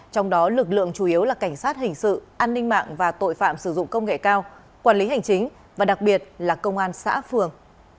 trong đó lực lượng chủ yếu là cảnh sát hình sự an ninh mạng và tội phạm sử dụng công nghệ cao quản lý hành chính và đặc biệt là công an xã phường